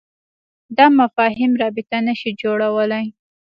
دا مفاهیم رابطه نه شي جوړولای.